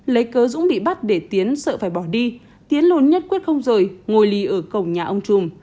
lấy cớ dũng bị bắt để tiến sợ phải bỏ đi tiến lồn nhất quyết không rời ngồi lì ở cổng nhà ông trùm